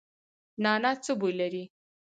نعناع څه بوی لري؟